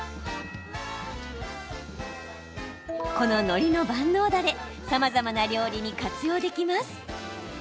この、のりの万能ダレさまざまな料理に活用できます。